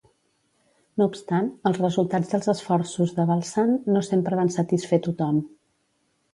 No obstant, els resultats dels esforços de Balsan no sempre van satisfer tothom.